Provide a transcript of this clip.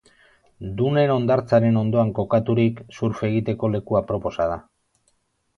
Dunen hondartzaren ondoan kokaturik, surf egiteko leku aproposa da.